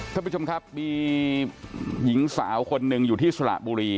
ท่านผู้ชมครับมีหญิงสาวคนหนึ่งอยู่ที่สระบุรี